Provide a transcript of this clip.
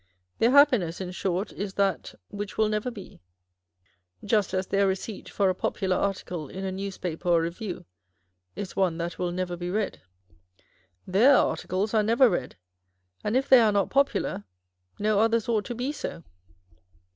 Their happiness, in short, is that â€" which will never be ; just as their receipt for a popular article in a newspaper or review, is one that will never be read. Their articles are never read, and if they are not popular, no others ought to be so.